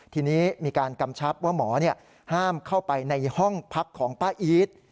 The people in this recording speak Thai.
ทีนี้มีการกำชับว่าหมอห้ามเข้าไปในห้องพักของป้าอีท